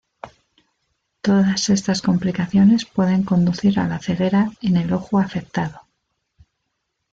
Todas estas complicaciones pueden conducir a la ceguera en el ojo afectado.